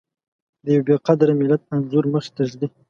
د يوه بې قدره ملت انځور مخې ته ږدي.